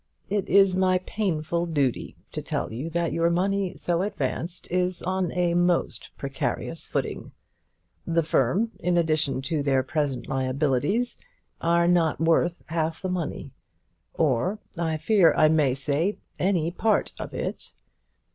It is my painful duty to tell you that your money so advanced is on a most precarious footing. The firm, in addition to their present liabilities, are not worth half the money; or, I fear I may say, any part of it.